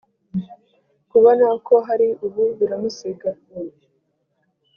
Kubona uko hari ubu biramusiga